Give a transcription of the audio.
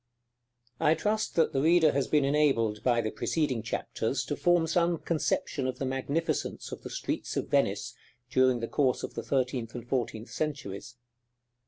I trust that the reader has been enabled, by the preceding chapters, to form some conception of the magnificence of the streets of Venice during the course of the thirteenth and fourteenth centuries.